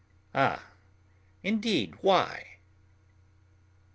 Ah, indeed, why?